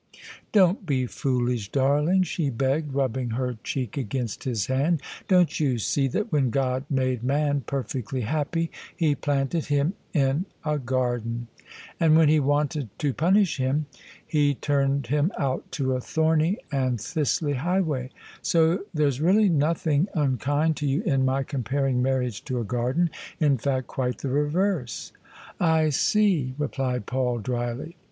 " Don't be foolish, darling," she begged, rubbing her cheek against his hand. " Don't you see that when God made man perfectly happy. He planted him in a garden: and when He wanted to punish him He turned him out to a thorny and thistly highway? So there's really nothing un kind to you in my comparing marriage to a garden — in fact, quite the reverse." " I see," replied Paul drily.